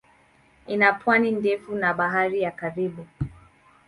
Ina pwani ndefu na Bahari ya Karibi.